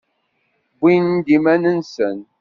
Wwin-d iman-nsen.